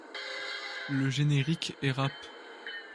Le générique est rap.